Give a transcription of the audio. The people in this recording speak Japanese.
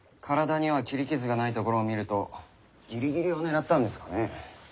体には斬り傷がないところを見るとギリギリを狙ったんですかね？